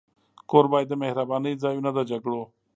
کور باید د مهربانۍ ځای وي، نه د جګړو.